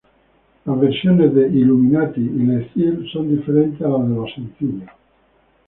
Las versiones de "Illuminati" y "Le ciel" son diferentes a las de los sencillos.